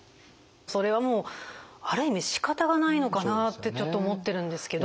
それはもうある意味しかたがないのかなってちょっと思ってるんですけど。